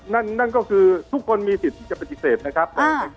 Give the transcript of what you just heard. นั่นก็คือทุกคนมีสิทธิ์ที่จะปฏิเสธนะครับ